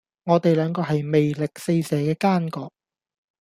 我地兩個係魅力四射既奸角